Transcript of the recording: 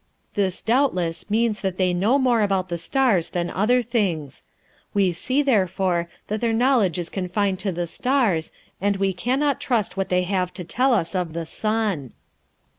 This, doubtless, means that they know more about the stars than other things. We see, therefore, that their knowledge is confined to the stars, and we can not trust what they have to tell us of the sun.